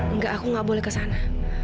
enggak aku nggak boleh ke sana